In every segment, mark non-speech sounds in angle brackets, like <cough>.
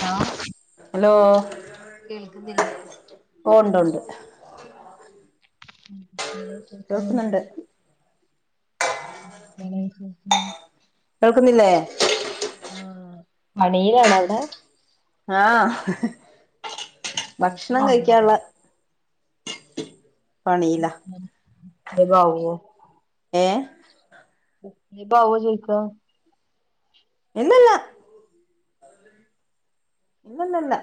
Law hello കേൾക്കുന്നില്ലേ ഓഹ് ഉണ്ട് ഉണ്ട് നിങ്ങളെ വിശേഷം കേൾക്കുന്നുണ്ട് നിങ്ങളെ വിശേഷം കേൾക്കുന്നില്ലേ ആഹ് മണിയിലാണോ അവിടെ ആഹ് അവിടെ ഭക്ഷണം കഴിക്കാനുള്ളാ പണിയിലാ ബാവോ ഏഹ് ഞ്ഞി പൊ ആവോ ചോയ്ക. ഇല്ലല്ലാ ഇല്ലല്ലല്ലാ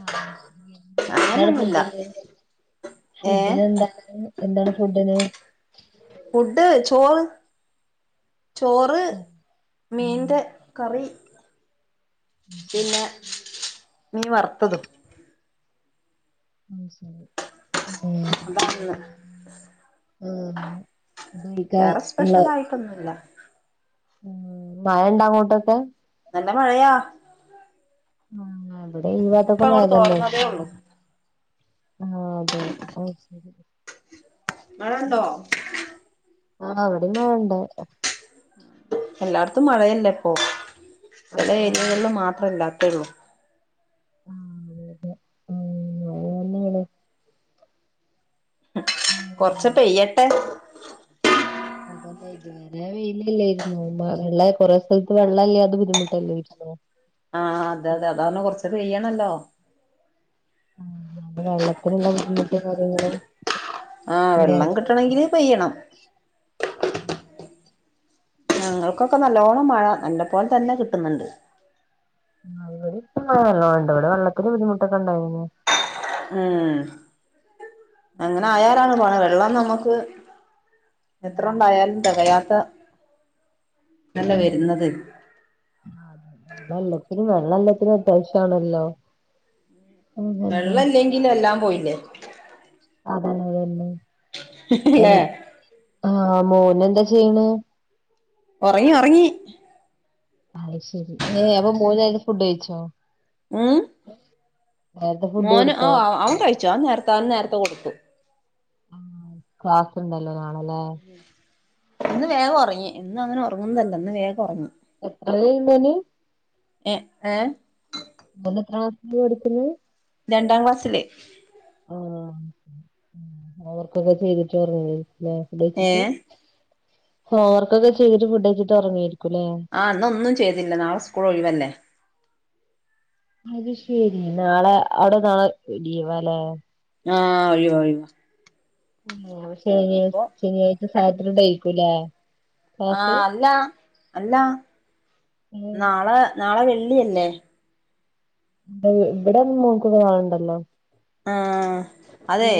ആഹ് എന്താണ് ഫുഡിൻ്റെ ഏ ഫുഡൊക്കെ എന്താണ് എന്താണ് ഫുഡിന് ഫുഡ് ചോർ ചോറ് ഉം മീനിന്റെ കറി പിന്നെ മീൻ വറുത്തതും അഹ് ശെരി പിന്നെ ആഹ് ഉപയോഗിക്കാ വേറെ ഉള്ള സ്പെഷ്യൽ ആയിട്ടൊന്നുല്ല മഴ ഉണ്ടോ അങ്ങോട്ടൊക്കെ നല്ല മഴയാ ആഹ് ഇവിടെ ഈ ഇപ്പ ഭാഗത്തൊക്കെ മഴ അങ്ങോട്ട് തന്നെ തോർന്നതേ ഉള്ളൂ ആഹ് അതെ ശരി മഴണ്ടോ ആഹ് ഇവിടെയും മഴയുണ്ട് എല്ലായിടത്തും മഴയല്ലേ ഇപ്പൊ ചില ആഹ് ആഹ് ഏരിയകളിൽ മാത്ര ഇല്ലാത്തോള്ളൂ <unintelligible> <inaudible> കുറച്ച് പെയ്യട്ടെ <unintelligible> നല്ല വെയിലല്ലായിരുന്നു കൊറെ സ്ഥലത്ത് വെള്ളല്ലാത് ബുദ്ധിമുട്ടല്ലായിരുന്നു ആഹ് അതെതെ അതാന്ന് കൊറച്ച് പെയ്യണല്ലോ വെള്ളത്തിനുള്ള ബുദ്ധിമുട്ടും കാര്യങ്ങളും ആഹ് വെള്ളം ഇല്ലാതെ കിട്ടണങ്കില് ആഹ് പെയ്യണം ഞങ്ങൾക്കൊക്കെ നല്ലോണ്ണം മഴ നല്ല പോലതന്നെ കിട്ട്ന്ന് ണ്ട് ആഹ് ഇവ്ടെയിപ്പ മഴ നല്ലോണ് ണ്ട് ഇവടെ വെള്ളത്തിന് ബുദ്ധിമുട്ടൊക്കെ ഇണ്ടായിനി മ് അങ്ങനായാലാണ് പണി വെള്ളം നമ്മക്ക് എത്ര ഒണ്ടായാലും തെകയാത്ത ന്നല്ലേ വെരുന്നത് ആഹ് എല്ലത്തിനും വെള്ളം എല്ലാത്തിനും അത്യാവശ്യാണല്ലോ വെള്ളല്ലെങ്കിൽ എല്ലാം പോയില്ലേ അതന്നെ അതന്നെ അൽ ല്ലേ ആഹ് മോൻ എന്താ ചെയ്ണേ ഒറങ്ങി ഒറങ്ങി അയ് ശെരി ഏഹ് അപ്പം മൂന്നെരും ഫുഡ് കഴിച്ചോ <unintelligible> നേരത്തെ ഫുഡ് മോന് ഓ കൊടുത്തോ അവ അവൻ കഴിച്ചു അവൻ അവന് നേരത്തെ കൊടുക്കും ആ ക്ലാസ്ണ്ടല്ലോ നാളല്ലേ ഇന്ന് വേഗൊറങ്ങി എന്നും അങ്ങനെ ഒറങ്ങുന്നതല്ല ഇന്ന് വേഗൊറങ്ങി <unintelligible> എ ഏ ഓൻ എത്രാ ക്ലാസ്സിൽ പടിക്ക്ന്നേ രണ്ടാം ക്ലാസ്സില് ആഹ് ഓവർക്കൊക്കെ ചെയ്തിട്ട് ഒറങ്ങീനി ലേ ഫുഡ്‌ കഴിച്ചിട്ട് ഏഹ് ഹോവർക്കൊക്കെ ചെയ്തിട്ട് ഫുഡഴിച്ചിട്ട് ഒറങ്ങേരിക്കുല്ലേ ആ ന്നൊന്നും ചെയ്തില്ല നാളെ സ്കൂൾ ഒഴിവല്ലേ അത് ശെരി നാളെ അവിടെ നാളെ ലീവാല്ലേ ആഹ് ഒഴിവാ ഒഴിവാ ആഹ് ശനി അപ്പൊ ശനിയാഴ്ച സാറ്റർഡേയിക്കുലേ ആഹ് അല്ല അല്ല ഉം നാളെ നാളെ വെള്ളി അല്ലേ ഇ ഇവിടെ മോൾക്കൊക്കെ നാളെണ്ടല്ലോ ആഹ് അതെ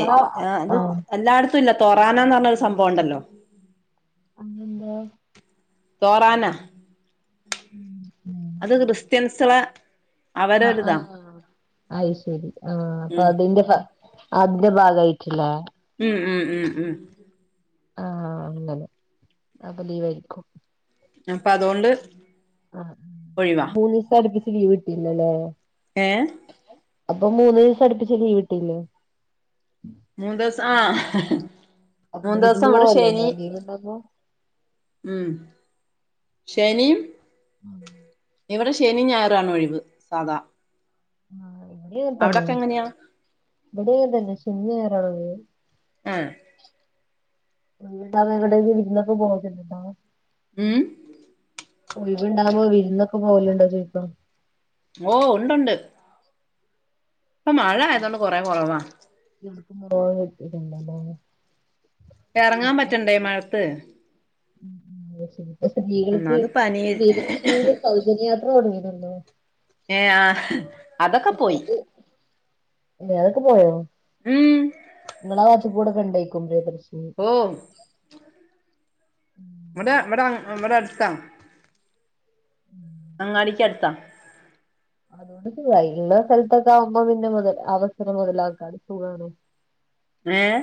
അത് ആഹ് എല്ലാടത്തു ഇല്ല തൊറാനാന്ന് പറഞ്ഞൊരു സംഭവൊണ്ടല്ലോ <unintelligible> ആഹ് തോറാന ഉം അത് ക്രിസ്ത്യൻസ്ളെ ആഹ് ആഹ് അയ് ശരി ആഹ് ഉം അപ്പതിന്റെ ഫ അതിന്റെ ഭാഗായിട്ട്ള്ള മ് മ് മ് മ് ആഹ് അങ്ങനെ അപ്പം ലീവായിരിക്കും അപ്പതോണ്ട് ആ മൂന്നീസം അട്പ്പിച്ച് ലീവ് കിട്ടീണ്ടല്ലേ ഏഹ് അപ്പം മൂന്ന് ദീസം അടുപ്പിച്ച് ലീവ്ട്ടില്ലേ മൂന്ന് ദെവസം ആഹ് അപ്പൊ മൂന്ന് വിരുന്ന് ദെവസം ഇവ്ടെ പോവലുണ്ടോ ശനി ലീവ് ഉണ്ടാവുമ്പോ മ് ശനിം ഇവിടെ ശനിം ഞായറാണൊഴിവ് സാധാ ആഹ് ഇവിടേം അതന്നെ അവിടൊക്കെ എങ്ങനെയാ ഇബടേംതന്നെ ശനിം ഞായറാണ് ഒഴിവ് ആഹ് <unintelligible> മ് ഒഴിവ് ണ്ടാവുമ്പോ വിര്ന്നൊക്കെ പോവൽണ്ടോ ചോയിക്കാ? ഓഹ് ഉണ്ടുണ്ട്. ഇപ്പ മഴ ആയതോണ്ട് കൊറെ കൊറവാ. <unintelligible> എറങ്ങാൻ പറ്റണ്ടേ ഈ മഴത്ത്. അഹ് ശരി സ്ത്രീകൾക്ക് ഒന്നാത് പനി സ്ത്രീക സൗജന്യയാത്ര തൊടങ്ങിക്ക്ണല്ലോ. ഏഹ് ആഹ് <unintelligible> പോയോ? ഉം ഇങ്ങളാവാത്ത് കൂടെ ണ്ടേക്കും പ്രിയദർശിനി? ഓ ഉം. വടെ വടെ വടെ അട്ത്താ. ഉം അങ്ങാടിക്ക് ട്ത്താ അതോണ്ട് സുഖായി ഇള്ള സ്ഥലത്തൊക്കെ ആവുമ്പോ പിന്നെ മുത അവസരങ്ങൾ ലാക്കാണ് സുഖാണ്. ഏഹ്?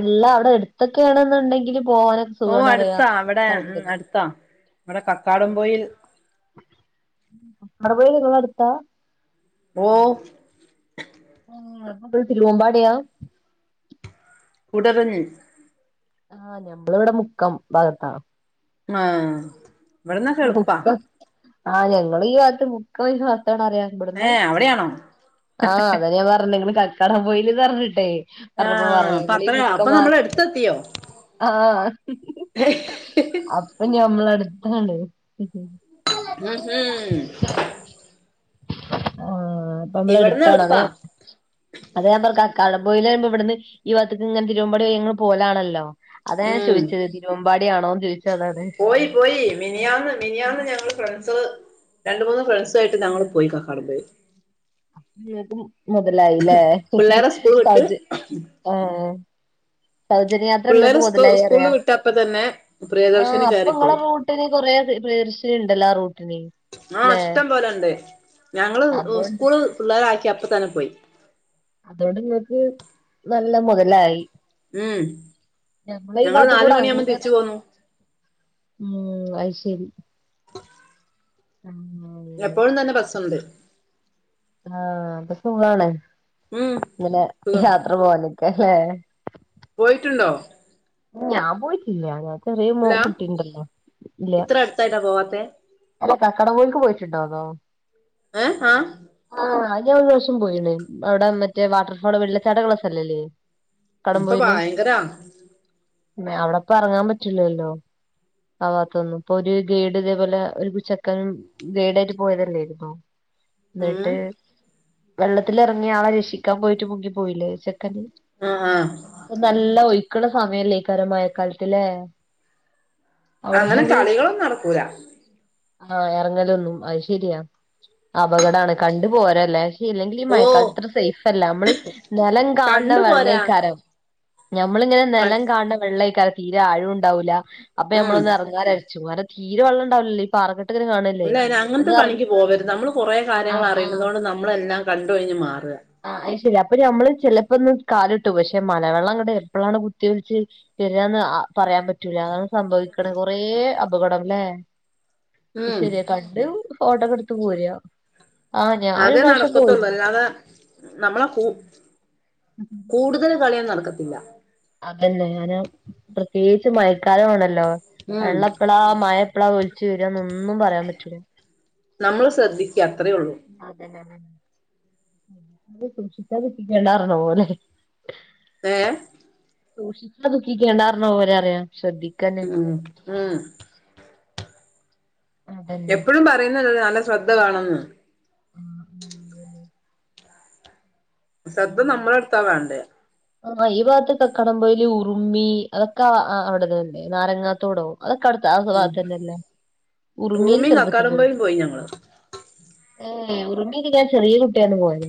ഇള്ള അഒടെ എട്ത്തൊക്കെയ ആണെന്നുണ്ടെങ്കില് പോകാന ഓഹ് അട്ത്താ ഇവടെ ഉം അട്ത്താ ഇവടെ കക്കാടം പൊയിൽ കാടാമ്പുഴേൽ ങ്ങളെ അട്ത്താ? ഓഹ് <unintelligible> തിരുവമ്പാടിയാ? കുടര്റിഞ് ആഹ് ഞമ്മള് വ്ടെ മുക്കം ഭാഗത്താ. ആഹ് മുക്ക ആഹ് ഞങ്ങള് ഈ ഭാഗത്ത് മുക്കം ഭാഗത്താണ് അറിയ. ഏ ഇവടുന്നു അവിടെയാണോ ആഹ് അതന്നെ ഞ പർഞ്ഞേ ഇങ്ങള് കക്കാടം പൊയില് ർഞ്ഞിട്ടേ. ആ ർഞ്ഞപ്പോ പർഞ്ഞേ അപ്പ ങ്ങളി ഈ അത്ര മുക്ക അപ്പൊ ഭാ നമ്മൾ എടുത്തെത്തിയോ ആഹ് അപ്പ ഞമ്മള് അട്ത്താണ്. <unintelligible> ആഹ് അപ്പ മ്മള് ഇവിടന്ന് എട്ത്താണല്ലെ? എളുപ്പാ അത ഞാ പർ കക്കാടം പൊയില് റിമ്പോ ഇവട്ന്ന് ഈ ഭാഗത്ത് ങ്ങന തിരുവമ്പാടി വഴി ൻ പോകലാണല്ലോ. അതാ ഞ ഉം ചോയ്ച്ചത് തിരുവമ്പാടിയാണോന്ന് ചോയ്ച്ചേ അതാണ്. പോയി പോയി മിനിയാന്ന് മിനിയാന്ന് ഞങ്ങള് ഫ്രണ്ട്സൾ രണ്ട്, മൂന്ന് ഫ്രണ്ട്സായിട്ട് ഞങ്ങൾ പോയി കക്കാടമ്പോയിൽ. നിങ്ങൾക്ക് മൊതലായില്ലേ? പിള്ളേരെ സ്കൂൾ വിട്ട് <unintelligible> ആഹ് സൗജന്യയാത്ര ങ്ങക്ക് പിള്ളേര് സ്കൂ മൊതലായി റ്യ സ്കൂളിൽ വിട്ടപ്പ തന്നെ ആഹ് പ്രിയദർശിനി അപ്പ ങ്ങളെ കയറിപ്പോയി മോ <unintelligible> കൊറെ പ്രി പ്രിയദർശിനി ണ്ടല്ലോ ആ റൂട്ട്ന്. ആഹ് ഇഷ്ടം പോലെണ്ട് ഞങ്ങള് അതോണ്ട് സ്കൂള് പിള്ളേരാക്കി അപ്പ തന്നെ പോയി. അതുകൊണ്ട് ങ്ങക്ക് നല്ല മൊതലായി. ഉം ഞങ്ങളെ ഈ ഞങ്ങള് ഭാഗത്ത് നാല് കൂടെ മണിയാവുമ്പോ അങ്ങനെ തിരിച്ചു പോന്നു ഉം അയ് ശരി ഉം എപ്പോഴും തന്നെ ബസ്സുണ്ട്. ആഹ് അപ്പ സുഖാണ് ഉം ങ്ങനെ സുഖം യാത്ര പോവാനൊക്കെ അല്ലേ? പോയിട്ടുണ്ടോ? ഞാൻ പോയിട്ടില്ല ഞാൻ ചെറിയ മോ ഇല്ല കുട്ടിണ്ടല്ലോ ഇല്ല. ഇത്ര അടുത്തായിട്ടാ പോവാത്തെ അല്ല കക്കാട പോൽക്ക് പോയിട്ടുണ്ടോ ന്നോ? ഏഹ് ആഹ് ആഹ് ഞാ ഒരു ഷം പോയിണ്. അവടെ മറ്റേ വാട്ടർഫോള് വെള്ള ചാട്ടങ്ങൾ സ്ഥല്ലല്ലേ? ഇപ്പ ഭയങ്കര ന്നെ അവടെപ്പ എറങ്ങാൻ പറ്റില്ലല്ലോ. ആവാത്തൊന്നും പ്പ ഒര് ഗൈഡ് ഇതേപോലെ ഒരു ചെക്കനും ഗേഡായിട്ട് പോയതല്ലായിരുന്നോ? ഉം എന്നിട്ട്, വെള്ളത്തിലെറങ്ങിയ ആളെ രക്ഷിക്കാൻ പോയിട്ട് മുങ്ങി പോയില്ലേ ഒരു ചെക്കന്. ആഹ.. നല്ല ഒയിക്ക്ള്ള സമയല്ലാകരം മയകാലത്ത്ലേ? അവടെന്താ അങ്ങനെ ഒര്- കളികളൊന്നും നടക്കൂല ആഹാ എറങ്ങലൊന്നും അശരിയാ, അപകടാണ് കണ്ടു പോരല്ലേ. ഇല്ലെങ്കിൽ ഈ ഓ മയക്കാലത്ത് ഇത്ര സേഫല്ല, നമ്മള് നെലം കാണണ കണ്ടു പോരാ വെള്ളായിക്കാരം. ഞമ്മളിങ്ങനെ ക നെലം കാണണ വെള്ളായിക്കാരം, തീരെ ആഴോണ്ടാവൂല. അപ്പോ ഉം ഞമ്മളൊന്ന് ഇറങ്ങാരച്ചു, തീരെ വെള്ളം ഇണ്ടാവില്ലല്ലോ? ഈ പാറക്കെട്ടിങ്ങനെ കാണല്ലേ. അല്ല അയിന് അങ്ങനത്തെ ഒന്ന് എറ പണിക്ക് പോവരുത്, നമ്മള് കൊറേ കാര്യങ്ങൾ ആഹ് ആഹ് അറിയന്നതുകൊണ്ട്- നമ്മളെല്ലാം കണ്ട് ഒഴിഞ്ഞ് മാറ. ആഹാ അത് ശെരിയാ അപ്പോ ഞമ്മള് ചെലപ്പൊന്ന് കാല് ഇട്ടു, പക്ഷെ മലവെള്ളം ഇങ്ങട് എപ്പളാണ് കുത്തിയൊലിച്ച്- ശെരിയാന്ന് പറയാൻ പറ്റ്- പറ്റൂല അതാണ് സംഭവിക്കണ് കൊറേ അപകടംലേ ആഹാ ഉം ശരിയ. കണ്ട് ഫോട്ടോക്കെ എടുത്ത് പോര. അതെ നടക്കത്തൊള്ളോ അല്ലാതെ- നമ്മളെ കു കൂടുതൽ കളിയൊന്നും നടക്കത്തില്ല. അതന്നെ ഞാൻ പ്രത്യേകിച്ച്- മയക്കാലണല്ലോ ഉം വെള്ളപ്പള, മയപ്പെള, ശരിയാണ് ഒന്നും പറയാൻ പറ്റില്ല. നമ്മള് ശ്രദ്ധിക്ക അത്രയേ ഉള്ളൂ. അതന്നെ, അതന്നെ, സൂക്ഷിച്ച ദുഃഖി ക്കണ്ട പറഞ്ഞപോലെ. ഏ... സൂക്ഷിച്ച ദുഃഖിക്കേണ്ടാന്ന് പറഞ്ഞ പോലെ പറയാ, ശ്രദ്ധി- ഉം.. ഉം.. അതന്നെ എപ്പോഴും പറയുന്നത് നല്ല ശ്രദ്ധ വേണന്ന്. <inaudible> ശ്രദ്ധ നമ്മള എടുത്താ വേണ്ടേ. ആ ഈ ഭാഗത്ത് കക്കാടം പോയില്, ഉറുമി, അതൊക്കെ അവിടെല്ലെ? നാരങ്ങാത്തോടോ, അത്കടുത്ത് ആ ഉം ഭാത്തന്നെല്ലേ, ഉറുമീൽ ഉറുമിയും ചെറുപ്പത്തി പോയി. കക്കാടംപൊയിയും ഞങ്ങള് ഏ ഉറമി ഞാൻ ചെറിയ കുട്ടിയാണ് പോയത്.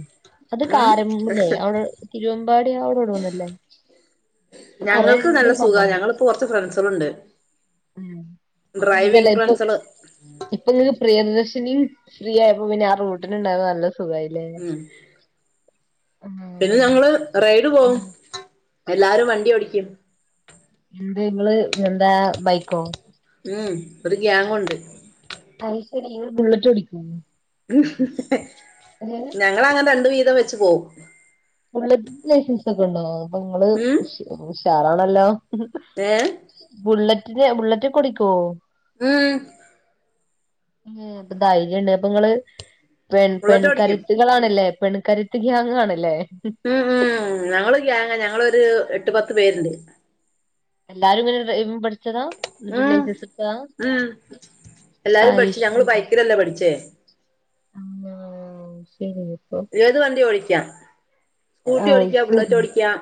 അത് ഉം കാരമ്പല്ലേ അവടെ തിരുവമ്പാടി അവിടെവിടെ ഒന്നല്ലേ? ഞങ്ങൾക്ക് നല്ല സുഖാ, ഞങ്ങളിപ്പോ കൊറച്ച് ഫ്രണ്ട്സൊക്കണ്ട്. ഉം അപ്പോ ഫ്രണ്ട്സള് <unintelligible> ഇപ്പോ നിങ്ങക്ക് പ്രിയദർശിനിയും ഫ്രീ ആയപ്പോ പിന്നെ ആ റൂട്ടില് ഇണ്ടായത് നല്ല സുഖായിരുന്നു. ലേ ഉം ആഹാ.. പിന്നെ ഞങ്ങള് റൈഡ് പോവും, എല്ലാരും വണ്ടി ഓടിക്കും. എന്ത് നിങ്ങള്, എന്താ ബൈക്കോ? ഉം ഒരു ഗാങ്ങുണ്ട്. അത് ശരി, ഇങ്ങൾ ബുള്ളറ്റ് ഓടിക്കും? <inaudible> <inaudible> ഞങ്ങളങ്ങനെ രണ്ട് വീതം വെച്ച് പോവും. ബുള്ളറ്റിന് ലൈസൻസൊക്കെ ഉണ്ടോ? അപ്പോ നിങ്ങള് ഉം ഉഷ് ഉഷാറാണല്ലോ. ഏ.. ബുള്ളറ്റിന്, ബുള്ളറ്റ് ഓടിക്കോ? ഉം... ഉം അപ്പ ധൈര്യണ്ട് അപ്പോ നിങ്ങള് പെൺ ബുള്ളറ്റ് ഓടിക്കും പെൺകരുത്ത്- ളാണല്ലേ, പെൺക്കരുത്ത് ഗ്യാങ്ങാണല്ലേ? ഉം ഉം ഞങ്ങള് ഒരു ഗാങ് ആ, ഞങ്ങളൊരു എട്ട്, പത്ത് പേരിണ്ട്. എല്ലാരുംങ്ങനെ ഡ്രൈവിങ് പഠി- ച്ചതാ എന്നിട്ട് ഉം ലൈസൻസ് എടുത്തതാ, ഉം അയ്ശെരി. തല്ല പഠിച്ചേ <inaudible> ഏത് വണ്ടി ഓടിക്കാം സ്കൂട്ടി അയ് ഓടിക്കാം ബുള്ളറ്റ് ശരി ഓടിക്കാം.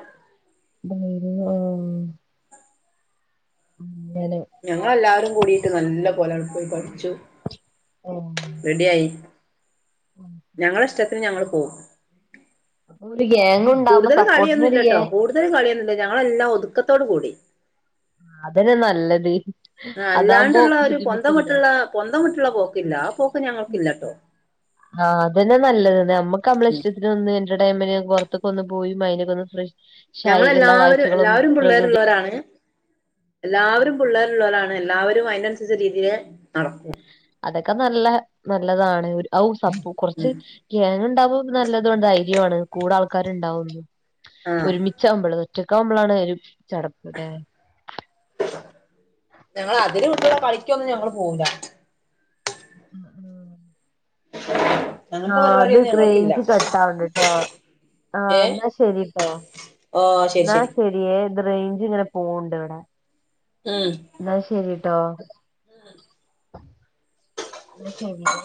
<unintelligible> അങ്ങനെ. ഞങ്ങളെല്ലാരും കൂടിട്ട് നല്ല പോലെ പോയി പഠിച്ചു. ആഹ്. റെഡിയായി ഞങ്ങളെ ഇഷ്ടത്തിന് ഞങ്ങള് പോവും. അപ്പോ ഒരു ഗാങ് ഉണ്ടാകുമ്പോ സപ്പോർട്ടിനൊരു ഗേ ഇതിൽ കളിയൊന്നില്ല ഞങ്ങളെല്ലാം ഒതുക്കത്തോട് കൂടി. അതന്നെ നല്ലത്. ആഹ് അതാവുമ്പോ അല്ലാണ്ടുള്ള ഒരു പൊന്തം ബുദ്ധിമുട്ടില്ല വിട്ടുള്ള പൊന്തം വിട്ടുള്ള പോക്കില്ല ആഹ് പോക്ക് ഞങ്ങൾക്കില്ലാട്ടോ. ആഹ് അതന്നെ നല്ലത് നമ്മുക്ക് നമ്മളെ ഉം ഇഷ്ടത്തി ഒരു ഒന്ന് എന്റർടൈമെന്റിന് പുറത്തൊക്ക ഒന്ന് പോയി മൈന്റ് ഓക്കെ ഒന്ന് ഫ്രഷ് ഷായി എല്ലാ ഞങ്ങളെല്ലാവരും കാഴ്ചകളും എല്ലാവരും പ്രകൃതി പിള്ളേരുള്ളോരാണ്. എല്ലാവരും പിള്ളേരുള്ളോരാണ്, എല്ലാവരും അതിനനുസരിച്ച രീതിൽ നടക്കും. അതൊക്കെ നല്ല നല്ലതാണ് ഔ സപ്പ കുറച്ച് ഗാങ് ഉണ്ടാവുമ്പോ നല്ലതും ധൈര്യവുമാണ് കൂടെ ആൾക്കാരുണ്ടാവുന്നും ആ ഒരുമിച്ചാവുമ്പോള് ഒറ്റക്കാവുമ്പോളാണ് ഒരു ചടപ്പ് അല്ലേ. ഞങ്ങള് അതിര് വിട്ടുള്ള കളിക്കൊന്നും ഞങ്ങള് പോവൂല. ആഹ് ആഹ് <inaudible> ആഹ് അത് പരിപാടിയൊന്നും ഞങ്ങൾക്കില്ല റേഞ്ച് കട്ട് ആവണ്ട്ട്ടോ. ആഹ് ഏ എന്നാ ശരിട്ടോ എന്നാ ശരി. രിയേ ഇത് റേഞ്ച് ഇങ്ങനെ പോവണ്ട് ഇവിടെ. ഉം. എന്നാ ശരിട്ടോ എന്നാ ശരിയേ.